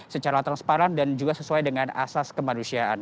secara transparan dan juga sesuai dengan asas kemanusiaan